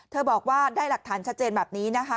บอกว่าได้หลักฐานชัดเจนแบบนี้นะคะ